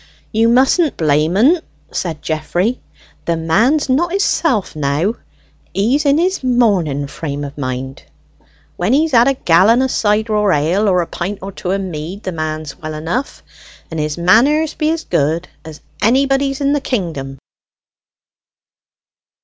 "You mustn't blame en," said Geoffrey; "the man's not hisself now; he's in his morning frame of mind. When he's had a gallon o' cider or ale, or a pint or two of mead, the man's well enough, and his manners be as good as anybody's in the kingdom."